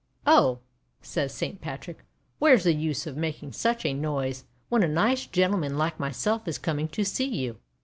"Oh!" says Saint Patrick, " where 's the use of making such a noise when a nice gentleman like myself is coming to see you?